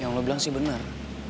yang lu bilang sih bener